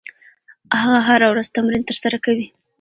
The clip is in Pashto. هغه هره ورځ تمرین ترسره کوي.